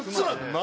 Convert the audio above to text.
何？